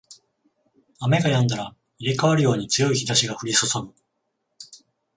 雨が止んだら入れ替わるように強い日差しが降りそそぐ